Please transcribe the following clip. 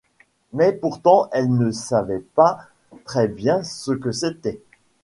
Mais pourtant elle ne savait pas très bien ce que c’était.